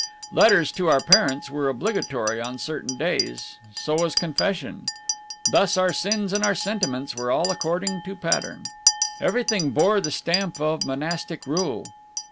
Letters to parents were obligatory on certain days, so was confession. Thus our sins and our sentiments were all according to pattern. Everything bore the stamp of monastic rule.